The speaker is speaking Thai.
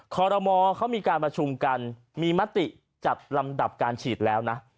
คอรมอเขามีการประชุมกันมีมติจัดลำดับการฉีดแล้วนะ